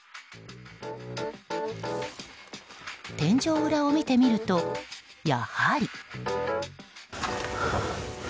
天井裏を見てみると、やはり。